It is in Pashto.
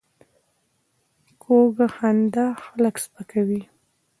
کوږه خندا خلک سپکوي